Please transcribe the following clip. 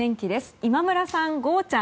今村さん、ゴーちゃん。